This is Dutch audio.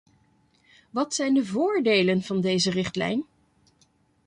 Wat zijn de voordelen van deze richtlijn?